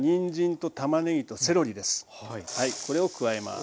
これを加えます。